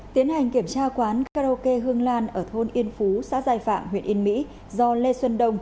tiến hành kiểm tra quán karaoke hương lan ở thôn yên phú xã giai phạm huyện yên mỹ do lê xuân đông